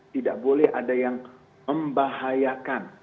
tidak boleh ada yang membahayakan